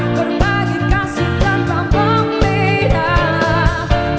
berbagi kasih dan membenah